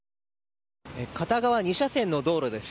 片側２車線の道路です。